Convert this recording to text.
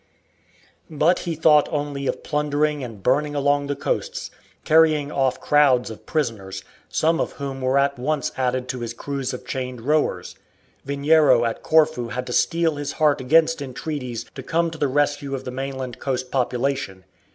But he thought only of plundering and burning along the coasts, carrying off crowds of prisoners, some of whom were at once added to his crews of chained rowers. Veniero at Corfu had to steel his heart against entreaties to come to the rescue of the mainland coast population.